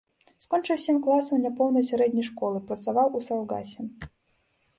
Скончыў сем класаў няпоўнай сярэдняй школы, працаваў у саўгасе.